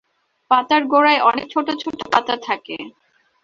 পাতার গোড়ায় অনেক ছোট ছোট পাতা থাকে।